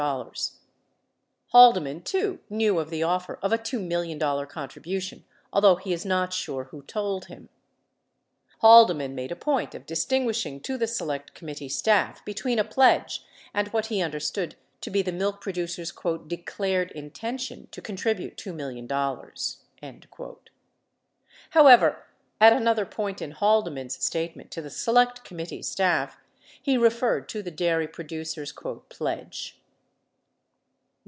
Haldeman, too, knew of the offer of a $2 million contribution, although he is not sure who told him. 33 Haldeman made a point of distinguishing to the Select Committee staff between a pledge and what he understood to be the milk producers " 'declared intention' to con tribute $2 million." 34 However, at another point in Haldeman's state ment to the Select Committee staff, he referred to the dairv producers' "pledge."